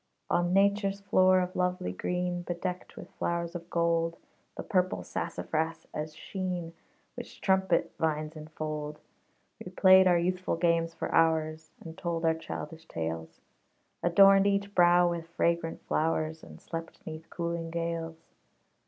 On Nature's floor of lovely green, Bedecked with flowers of gold, The purple sassafras as sheen, Which trumpet vines enfold. We played our youthful games for hours, And told our childish tales; Adorned each brow with fragrant flowers, And slept 'neath cooling gales.